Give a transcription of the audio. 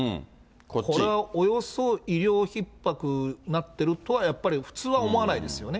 これおよそ医療ひっ迫になってるとは、やっぱり普通は思わないですよね。